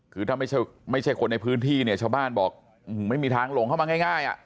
คือถ้าไม่ใช่คนในพื้นที่เนี่ยชาวบ้านบอกไม่มีทางหลงเข้ามาง่าย